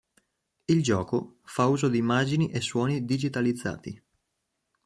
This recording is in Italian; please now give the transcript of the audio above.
Il gioco fa uso di immagini e suoni digitalizzati.